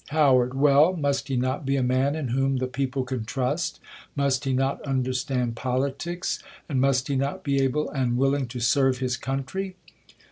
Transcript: How. Well, must he not be a man in whom the people can trust ? Must he not understand politics ? and must he not be able and willing to serve his coun try?